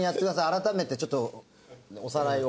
改めてちょっとおさらいを。